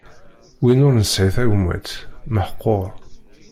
Win ur nesɛi tagmat, meḥquṛ.